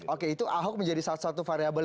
oke itu ahok menjadi salah satu variable